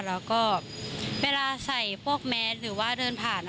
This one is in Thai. แล้วก็เวลาใส่พวกแมสหรือว่าเดินผ่าน